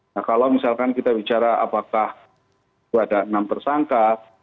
nah kalau misalkan kita bicara apakah itu ada enam tersangka